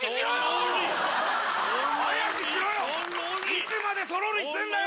いつまで「そろり」してんだよ！